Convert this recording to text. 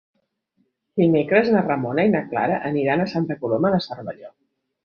Dimecres na Ramona i na Clara aniran a Santa Coloma de Cervelló.